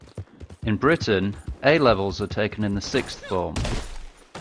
In Britain, A-levels are taken in the sixth form